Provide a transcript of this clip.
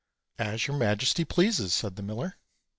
"As your majesty pleases," said the miller.